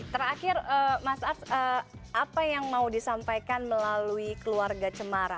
terakhir mas ars apa yang mau disampaikan melalui keluarga cemara